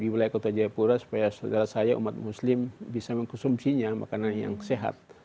di wilayah kota jayapura supaya saudara saya umat muslim bisa mengkonsumsinya makanan yang sehat